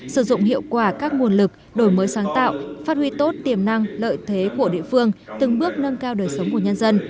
sử dụng hiệu quả các nguồn lực đổi mới sáng tạo phát huy tốt tiềm năng lợi thế của địa phương từng bước nâng cao đời sống của nhân dân